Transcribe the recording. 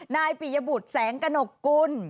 นายปิยบุตรแสงกระหนกกุล